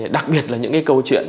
đặc biệt là những câu chuyện